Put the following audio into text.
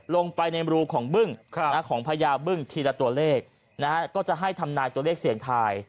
ลงไปในรูของบึ้งของพญาบึ้งทีละตัวเลขนะฮะก็จะให้ทำนายตัวเลขเสี่ยงทาย